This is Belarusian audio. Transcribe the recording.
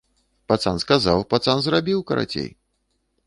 Пацан сказаў, пацан зрабіў, карацей!